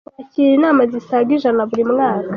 Twakira inama zisaga ijana buri mwaka.”